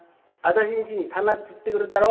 私んちに棚つってくれたろ？」。